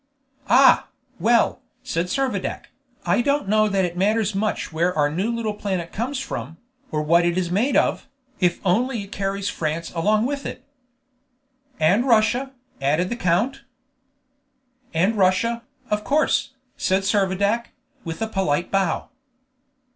"Ah! well," said Servadac, "I don't know that it matters much where our new little planet comes from, or what it is made of, if only it carries France along with it." "And Russia," added the count. "And Russia, of course," said Servadac, with a polite bow.